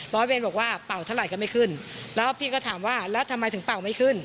ร้อยเวรบอกว่าเป่าเท่าไหร่ก็ไม่ขึ้นแล้วพี่ก็ถามว่าแล้วทำไมถึงเป่าไม่ขึ้น